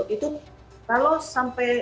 itu kalau sampai